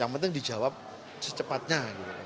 yang penting dijawab secepatnya